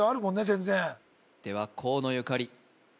全然では河野ゆかり